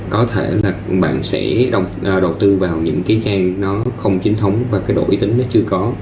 có thể là bạn sẽ đầu tư vào những cái trang nó không chính thống và cái độ uy tín nó chưa có